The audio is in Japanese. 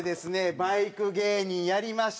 バイク芸人やりました